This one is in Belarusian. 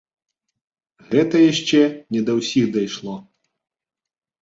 Гэта яшчэ не да ўсіх дайшло.